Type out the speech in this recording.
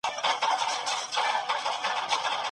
برېښنا، تالندي، غړومبی او جګ ږغونه